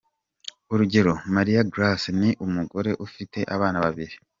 Urugero: Mariya Grace ni umugore ufite abana babiri.